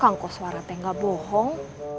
kang kok suara teh gak bohong